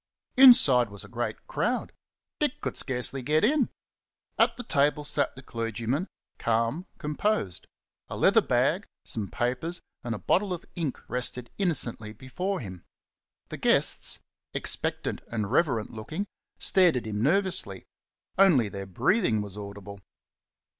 Inside was a great crowd. Dick could scarcely get in. At the table sat the clergyman, calm, composed; a leather bag, some papers, and a bottle of ink rested innocently before him. The guests, expectant and reverent looking, stared at him nervously only their breathing was audible.